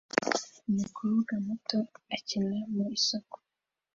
Umukobwa muto akina mu isoko